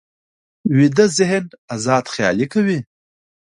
ویده ذهن ازاد خیالي کوي